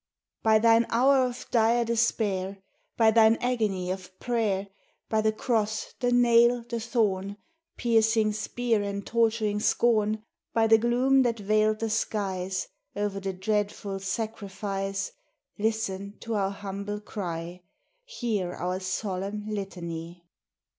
By Thine hour of dire despair; By Thine agony of prayer; By the cross, the nail, the thorn, Piercing spear, and torturing scorn; By the gloom that veiled the skies O'er the dreadful sacrifice, Listen to our humble cry, Hear our solemn litany!